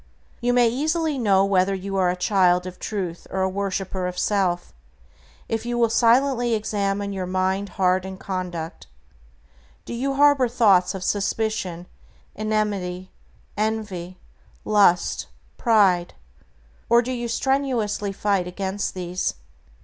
You may easily know whether you are a child of Truth or a worshiper of self, if you will silently examine your mind, heart, and conduct. Do you harbor thoughts of suspicion, enmity, envy, lust, pride, or do you strenuously fight against these?